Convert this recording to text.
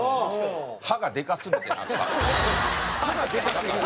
歯がでかすぎてなんか。